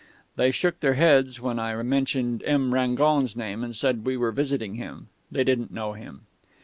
They shook their heads when I mentioned M. Rangon's name and said we were visiting him. They didn't know him....